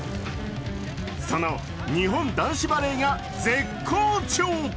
その日本男子バレーが絶好調！